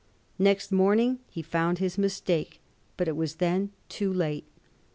Next morning he found his mistake; but it was then too late.